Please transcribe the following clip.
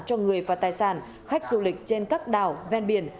cho người và tài sản khách du lịch trên các đảo ven biển